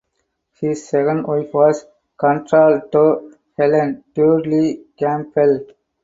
His second wife was contralto Helen Dudley Campbell.